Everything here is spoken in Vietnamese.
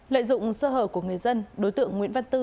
lợi dụng sơ hở của người dân đối tượng nguyễn văn tư